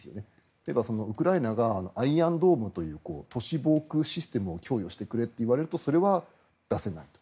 例えばウクライナがアイアンドームという都市防空システムを供与してくれと言われるとそれは出せないと。